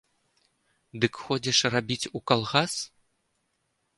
Дык ходзіш рабіць у калгас?